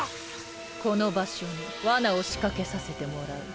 この場所に罠を仕掛けさせてもらう。